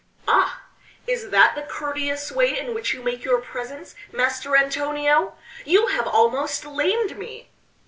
"Ah! is that the courteous way in which you make your presents, Master Antonio? You have almost lamed me!"